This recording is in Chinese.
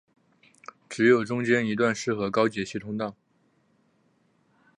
只有中间一段适合高解析通道。